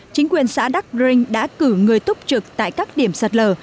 chính quyền xã đắc rinh đã cử người túc trực tại các điểm sạt lở